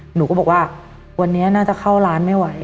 หนูก็บอกว่าวันนี้น่าจะเข้าร้านไม่ไหว